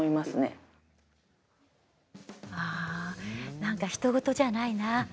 なんかひと事じゃないな。